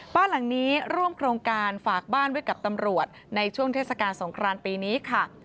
บ้านหลังนี้ร่วมโครงการฝากบ้านไว้กับตำรวจในช่วงเทศกาลสงครานปีนี้ค่ะ